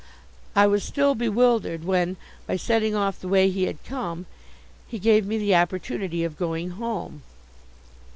I was still bewildered when, by setting off the way he had come, he gave me the opportunity of going home.